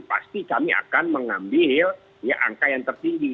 pasti kami akan mengambil angka yang tertinggi